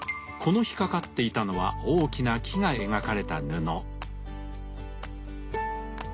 この日掛かっていたのは大きな木が描かれた布。